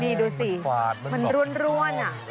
นี่ดูสิมันร่วน